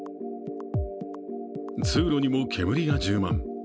通路にも煙が充満。